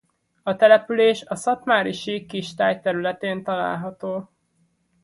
A település a Szatmári-sík kistáj területén található.